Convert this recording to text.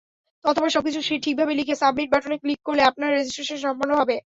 অতঃপর সবকিছু ঠিকভাবে লিখে সাবমিট বাটনে ক্লিক করলে আপনার রেজিস্ট্রেশন সম্পন্ন হবে।